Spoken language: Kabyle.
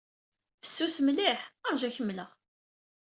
Fessus mliḥ. Ṛju ad ak-mleɣ.